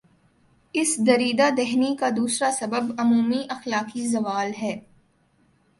اس دریدہ دہنی کا دوسرا سبب عمومی اخلاقی زوال ہے۔